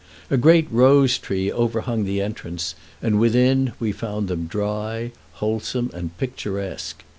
A great rose tree overhung the entrance, and within we found them dry, wholesome, and picturesque.